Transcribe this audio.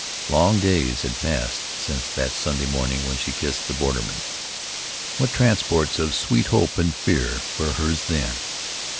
Long days had passed since that Sunday morning when she kissed the borderman. What transports of sweet hope and fear were hers then!